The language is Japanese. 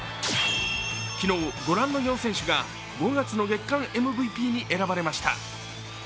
昨日、ご覧の４選手が５月の月間ＭＶＰに選ばれました。